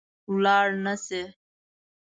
وړلای نه شي